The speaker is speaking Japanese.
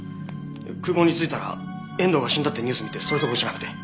空港に着いたら遠藤が死んだってニュース見てそれどころじゃなくて。